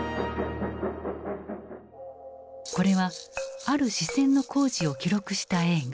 これはある支線の工事を記録した映画。